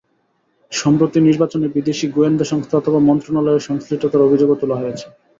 সম্প্রতি নির্বাচনে বিদেশি গোয়েন্দা সংস্থা অথবা মন্ত্রণালয়ের সংশ্লিষ্টতার অভিযোগও তোলা হচ্ছে।